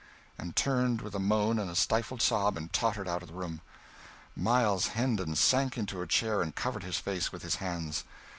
and turned, with a moan and a stifled sob, and tottered out of the room. Miles Hendon sank into a chair and covered his face with his hands.